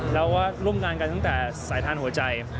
แล้วก็ร่วมงานกันตั้งแต่สายทานหัวใจ